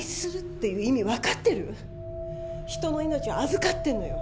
人の命を預かってんのよ。